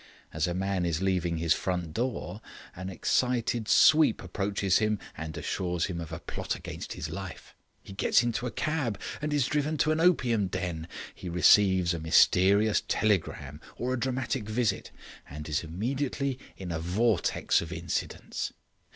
As a man is leaving his front door, an excited sweep approaches him and assures him of a plot against his life; he gets into a cab, and is driven to an opium den; he receives a mysterious telegram or a dramatic visit, and is immediately in a vortex of incidents.